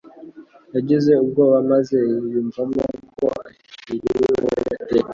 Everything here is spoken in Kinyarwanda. Yagize ubwoba maze yiyumvamo ko aciriweho iteka.